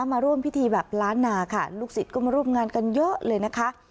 มาร่วมพิธีแบบล้านนาค่ะลูกศิษย์ก็มาร่วมงานกันเยอะเลยนะคะ